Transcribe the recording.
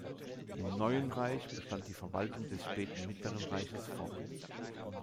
Im Neuen Reich bestand die Verwaltung des späten Mittleren Reiches fort.